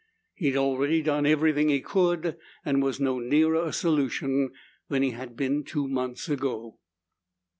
He'd already done everything he could and was no nearer a solution than he had been two months ago.